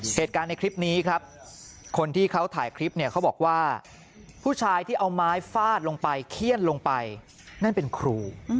เหตุการณ์ในคลิปนี้ครับคนที่เขาถ่ายคลิปเนี่ยเขาบอกว่าผู้ชายที่เอาไม้ฟาดลงไปเขี้ยนลงไปนั่นเป็นครู